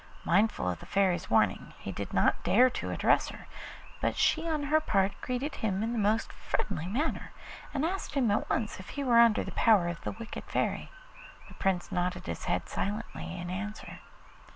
Mindful of the Fairy's warning he did not dare to address her, but she on her part greeted him in the most friendly manner, and asked him at once if he were under the power of the wicked Fairy. The Prince nodded his head silently in answer.